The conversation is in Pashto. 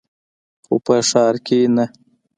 خو په ښار کښې نه.